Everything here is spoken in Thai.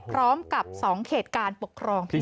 พร้อมกับ๒เขตการปกครองพิเศษ